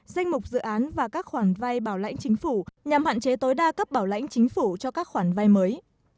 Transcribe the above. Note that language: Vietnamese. danh mục dự án và các khoản vay bảo lãnh chính phủ nhằm hạn chế tối đa cấp bảo lãnh chính phủ cho các khoản vay mới